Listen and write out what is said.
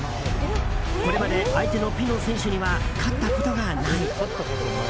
これまで相手のピノ選手には勝ったことがない。